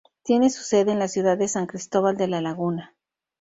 Tiene su sede en la ciudad de San Cristóbal de La Laguna.